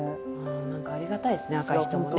何かありがたいですね赤い人もね。